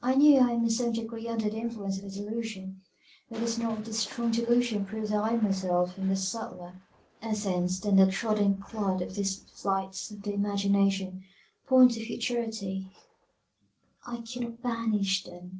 I knew I am in some degree under the influence of a delusion but does not this strong delusion prove that I myself 'am of subtiler essence than the trodden clod' these flights of the imagination point to futurity; I cannot banish them.